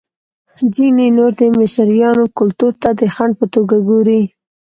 ځینې نور د مصریانو کلتور ته د خنډ په توګه ګوري.